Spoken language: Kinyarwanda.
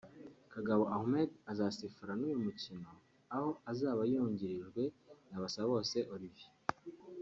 Kagabo Ahmed azasifura nuyu mukino aho azaba yungirijwe na Basabose Olivier